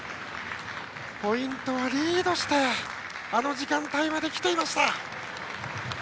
ポイントをリードしてあの時間帯まで来ていました。